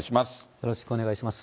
よろしくお願いします。